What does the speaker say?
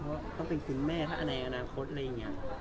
เพราะต้องเป็นคุณแม่ถ้าในอนาคตอะไรอย่างนี้